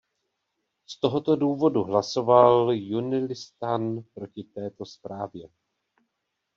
Z tohoto důvodu hlasoval Junilistan proti této zprávě.